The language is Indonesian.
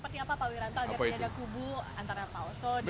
kenapa pak wiranto agar tidak ada kubu antara paoso dan masyarakat